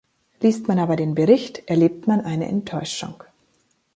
Liest man aber den Bericht, erlebt man eine Enttäuschung.